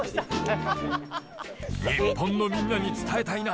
日本のみんなに伝えたいな。